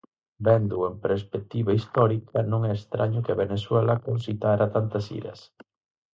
Véndoo en perspectiva histórica, non é estraño que Venezuela concitara tantas iras.